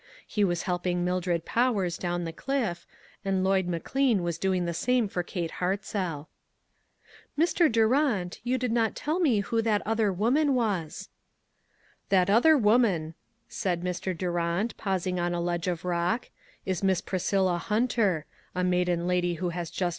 He was helping Mildred Powers down the cliff, and Lloyd McLean was doing the same for Kate Hartzell. " Mr. Durant, you did not tell me who that other woman is." " That other woman," said Mr. Durant, pausing on a ledge of rock, " is Miss Pris cilla Hunter, a maiden lady who has just LOGIC.